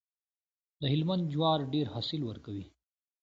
د هلمند جوار ډیر حاصل ورکوي.